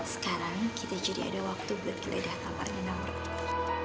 sekarang kita jadi ada waktu buat giledah tamarnya naura